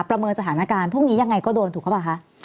ประเมินสถานการณ์พรุ่งนี้ยังไงก็โดนถูกหรือเปล่าคะ